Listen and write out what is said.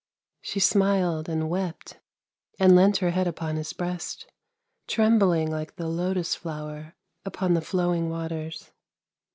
She smiled and wept and leant her head upon his breast, trembling like the lotus flower upon the flowing waters.